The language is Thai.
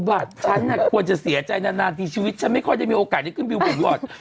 บาทฉันควรจะเศียใจนานที่ชีวิตฉันไม่ค่อนจะมีโอกาสได้มาบิวบอร์ต